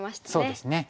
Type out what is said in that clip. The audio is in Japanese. そうですね。